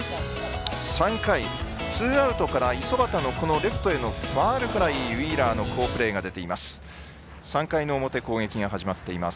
３回、ツーアウトから五十幡のレフトへのファウルフライウィーラーの好プレーが出ています。